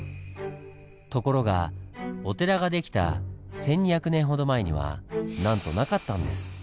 ところがお寺が出来た１，２００年ほど前にはなんとなかったんです。